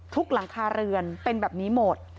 หลังคาเรือนเป็นแบบนี้หมด